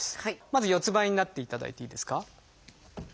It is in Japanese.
まず四つんばいになっていただいていいですか。